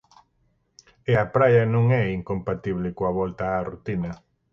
E a praia non é incompatible coa volta á rutina.